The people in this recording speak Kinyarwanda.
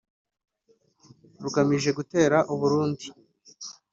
rugamije gutera u Burundi